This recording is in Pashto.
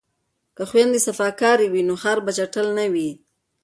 که خویندې صفاکارې وي نو ښار به چټل نه وي.